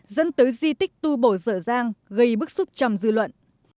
dẫn tới di tích tu bổ dở giang gây bức xúc trầm dư luận